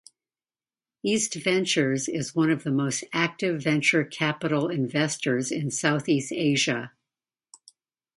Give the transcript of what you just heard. East Ventures is one of the most active venture capital investors in Southeast Asia.